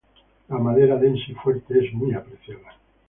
La madera densa y fuerte es muy apreciada.